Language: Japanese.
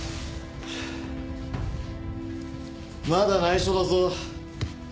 まだ内緒だぞ。